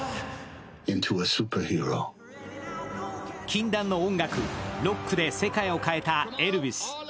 禁断の音楽、ロックで世界を変えたエルヴィス。